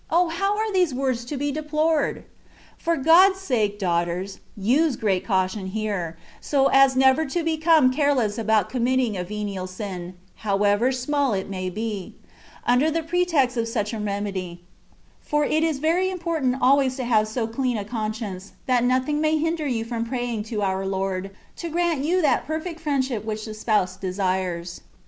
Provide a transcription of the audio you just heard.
how are these words to be deplored ! For Ood's sake, daugh ters, use great caution here, so as never to become careless about committing a venial sin (however small it may be), under the pretext of such a remedy; for it is very important always to have so clean a conscience, that nothing may hinder you from praying to our Lord, to grant you that perfect friendship which the Spouse desires.